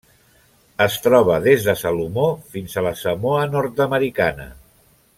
Es troba des de Salomó fins a la Samoa Nord-americana.